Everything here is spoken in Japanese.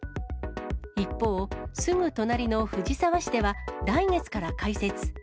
一方、すぐ隣の藤沢市では、来月から開設。